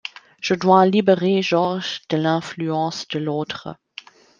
Je dois libérer Georges de l’influence de l’autre.